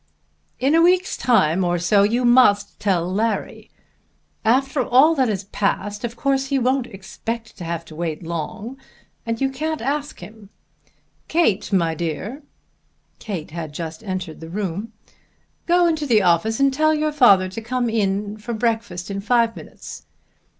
"In a week's time or so you must tell Larry. After all that has passed of course he won't expect to have to wait long, and you can't ask him. Kate, my dear," Kate had just entered the room, "go into the office and tell your father to come into breakfast in five minutes.